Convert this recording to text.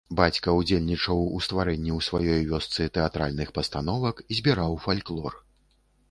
Бацька ўдзельнічаў у стварэнні ў сваёй вёсцы тэатральных пастановак, збіраў фальклор.